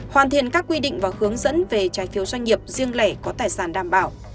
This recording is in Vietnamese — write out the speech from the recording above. hoàn thiện các quy định và hướng dẫn về trái phiếu doanh nghiệp riêng lẻ có tài sản đảm bảo